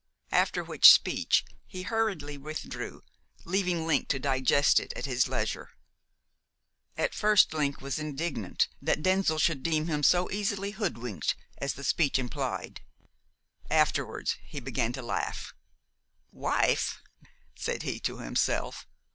After which speech he hurriedly withdrew, leaving Link to digest it at his leisure. At first, Link was indignant that Denzil should deem him so easily hoodwinked as the speech implied. Afterwards he began to laugh. "Wife!" said he to himself.